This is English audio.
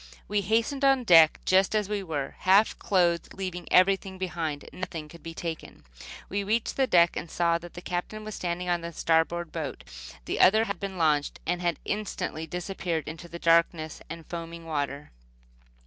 We hastened on deck just as we were, half clothed, leaving everything behind. Nothing could be taken. When we reached the deck we saw the Captain standing by the starboard boat. The other had been launched, and had instantly disappeared in the darkness and foaming water.